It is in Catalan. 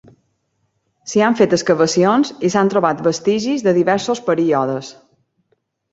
S'hi han fet excavacions i s'han trobat vestigis de diversos períodes.